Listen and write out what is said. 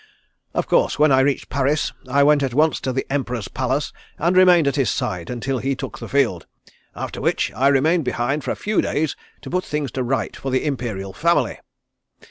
Of course, when I reached Paris I went at once to the Emperor's palace and remained at his side until he took the field, after which I remained behind for a few days to put things to rights for the Imperial family.